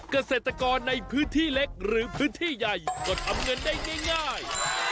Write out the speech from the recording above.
เกษตรกรในพื้นที่เล็กหรือพื้นที่ใหญ่ก็ทำเงินได้ง่าย